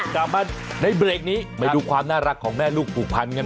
กลับมาในเบรกนี้ไปดูความน่ารักของแม่ลูกผูกพันกัน